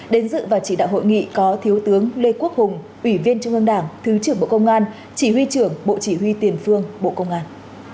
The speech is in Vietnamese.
đến dự và chỉ đạo hội nghị có thiếu tướng lê quốc hùng ủy viên trung ương đảng thứ trưởng bộ công an chỉ huy trưởng bộ chỉ huy tiền phương bộ công an